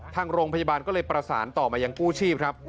ทางโรงพยาบาลก็เลยประสานต่อมายังกู้ชีพครับ